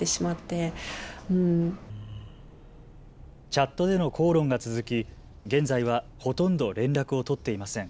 チャットでの口論が続き現在はほとんど連絡を取っていません。